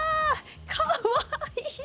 かわいい。